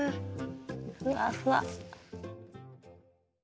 ふわふわ。